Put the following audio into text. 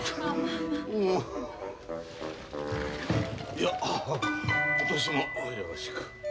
いや今年もよろしく。